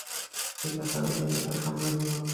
ঠিক আছে, আমি এটা সামলে নিব।